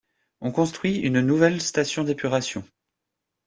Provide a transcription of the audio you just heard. On construit une nouvelle station d'épuration.